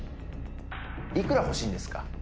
いくら欲しいんですか？